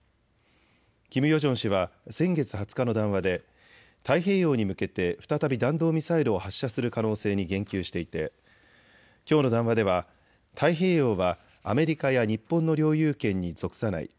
キム・ヨジョン氏は先月２０日の談話で太平洋に向けて再び弾道ミサイルを発射する可能性に言及していてきょうの談話では太平洋はアメリカや日本の領有権に属さない。